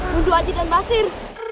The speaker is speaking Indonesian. bundu adi dan basir